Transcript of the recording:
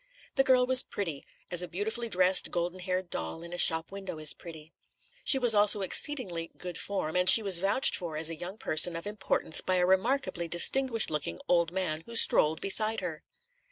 The girl was pretty, as a beautifully dressed, golden haired doll in a shop window is pretty. She was also exceedingly "good form," and she was vouched for as a young person of importance by a remarkably distinguished looking old man who strolled beside her.